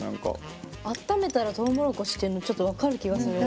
温めたらとうもろこしっていうのちょっと分かる気がする。